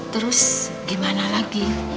terus gimana lagi